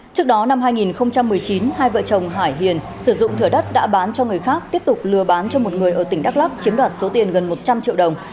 trước đó năm hai nghìn một mươi chín hai vợ chồng hải hiền sử dụng thửa đất đã bán cho người khác tiếp tục lừa bán cho một người ở tỉnh đắk lắk chiếm đoạt số tiền gần một trăm linh triệu đồng